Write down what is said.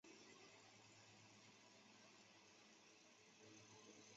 滨海埃尔芒维尔。